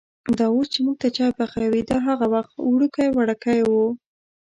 دا اوس چې مونږ ته چای پخوي، دا هغه وخت وړوکی وړکی و.